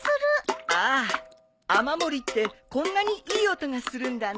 ああ雨漏りってこんなにいい音がするんだね。